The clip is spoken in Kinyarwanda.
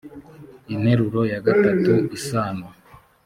interuro ya iii isano